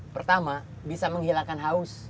pertama bisa menghilangkan haus